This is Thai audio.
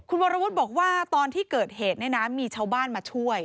คุณวรวุฒิบอกว่าตอนที่เกิดเหตุเนี่ยนะมีชาวบ้านมาช่วย